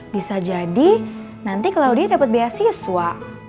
bisa jadi nanti claudia dapet beasiswa